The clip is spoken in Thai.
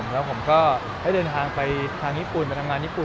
แล้วผมก็ให้เดินทางไปทางญี่ปุ่นไปทำงานญี่ปุ่น